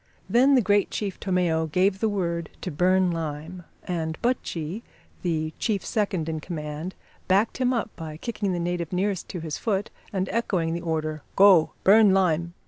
Then the great chief Tomeo gave the word to burn lime, and Buttchee, the chief second in command, backed him up by kicking the native nearest to his foot and echoing the order, "Go, burn lime!"